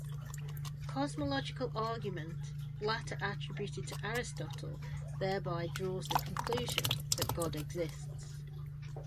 The Cosmological argument, later attributed to Aristotle, thereby draws the conclusion that God exists.